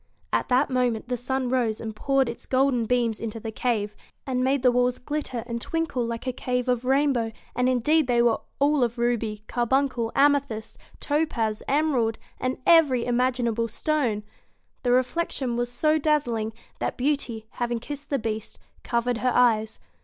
At that moment the sun rose and poured its golden beams into the cave, and made the walls glitter and twinkle like a cave of rainbow, and indeed they were all of ruby, carbuncle, amethyst, topaz, emerald, and every imaginable stone. The reflection was so dazzling that Beauty having kissed the Beast covered her eyes.